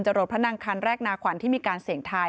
รถพระนางคันแรกนาขวัญที่มีการเสี่ยงทาย